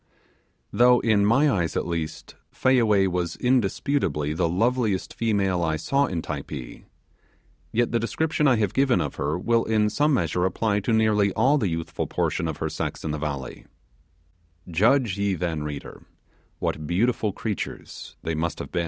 Though in my eyes, at least, Fayaway was indisputably the loveliest female I saw in Typee, yet the description I have given of her will in some measure apply to nearly all the youthful portion of her sex in the valley. Judge ye then, reader, what beautiful creatures they must have been.